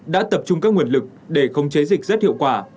đã tập trung các nguồn lực để khống chế dịch rất hiệu quả